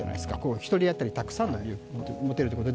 １人当たりたくさん持てるということで。